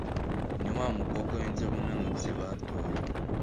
Niwamukobwa winzobe unanutse batoye